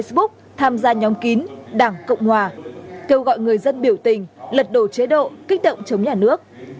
facebook tham gia nhóm kín đảng cộng hòa kêu gọi người dân biểu tình lật đổ chế độ kích động chống nhà nước